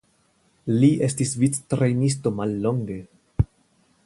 Li estis victrejnisto mallonge.